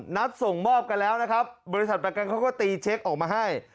นัดส่งมอบกันแล้วนะครับบริษัทประกันเขาก็ตีเช็คออกมาให้